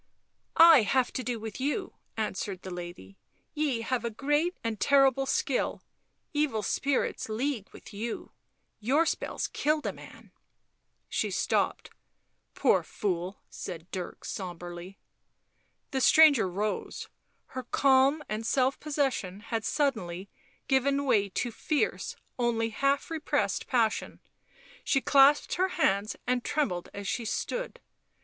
" I have to do with you," answered the lady. " Ye have a great, a terrible skill, evil spirits league with you ... your spells killed a man " She stopped. " Poor fool," said Dirk sombrely. The stranger rose; her calm and self possession had suddenly given way to fierce only half repressed passion; she clasped her hands and trembled as she stood.